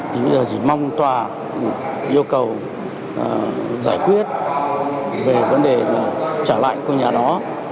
thì bây giờ chỉ mong tòa yêu cầu giải quyết về vấn đề trả lại của nhà đó